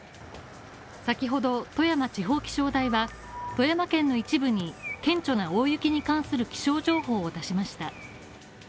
先ほど、富山地方気象台は富山県の一部に顕著な大雪に関する気象情報を出しました